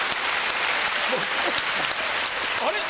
あれ？